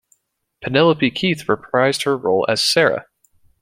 Penelope Keith reprised her role as Sarah.